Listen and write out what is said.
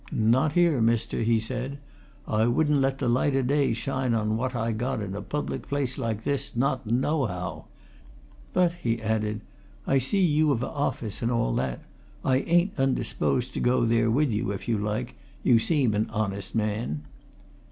"Not here, mister!" he said. "I wouldn't let the light o' day shine on what I got in a public place like this, not nohow. But," he added, "I see you've a office and all that. I ain't undisposed to go there with you, if you like you seem a honest man."